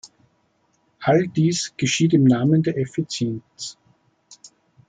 All dies geschieht im Namen der Effizienz.